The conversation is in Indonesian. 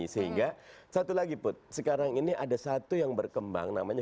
sehingga satu lagi put sekarang ini ada satu yang berkembang namanya